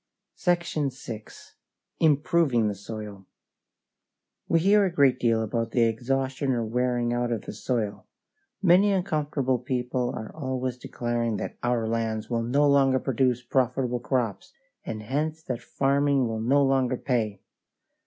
SECTION VI. IMPROVING THE SOIL We hear a great deal about the exhaustion or wearing out of the soil. Many uncomfortable people are always declaring that our lands will no longer produce profitable crops, and hence that farming will no longer pay.